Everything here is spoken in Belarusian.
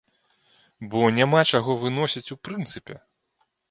Бо няма чаго выносіць у прынцыпе!